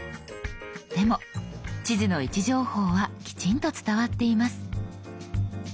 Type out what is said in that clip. でも地図の位置情報はきちんと伝わっています。